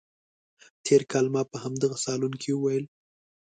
تېر کال ما په همدغه صالون کې وویل.